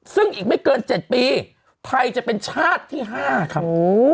ซึ่งอีกไม่เกิน๗ปีไทยจะเป็นชาติที่๕ครับ